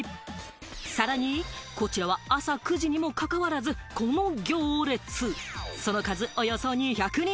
さらに、こちらは朝９時にも関わらず、この行列、その数およそ２００人。